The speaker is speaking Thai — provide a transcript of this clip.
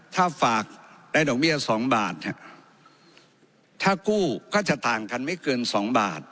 ถ้าฝากได้ดอกเบี้ยสองบาทเนี่ยถ้ากู้ก็จะต่างกันไม่เกินสองบาท